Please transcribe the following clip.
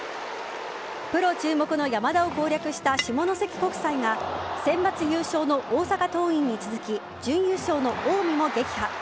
プロ注目の山田を攻略した下関国際がセンバツ優勝の大阪桐蔭に続き準優勝の近江も撃破。